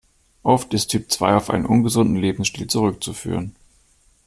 Oft ist Typ zwei auf einen ungesunden Lebensstil zurückzuführen.